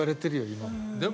今も。